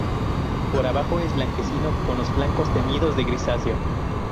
Por abajo es blanquecino con los flancos teñidos de grisáceo.